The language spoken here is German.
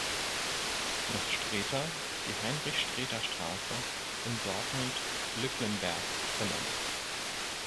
Nach Sträter ist die Heinrich-Sträter-Straße in Dortmund-Lücklemberg benannt.